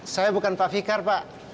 saya bukan pak fikar pak